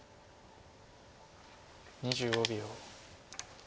２５秒。